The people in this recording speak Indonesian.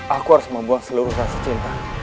aku harus membuang seluruh rasa cinta